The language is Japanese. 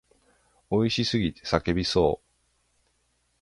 美味しすぎて叫びそう。